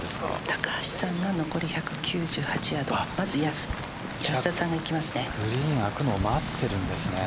高橋さんは残り１９１ヤードまず安田さんがいきますね。